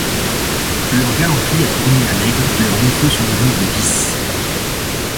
Leur galanterie a tourné à l’aigre, leurs défauts sont devenus des vices.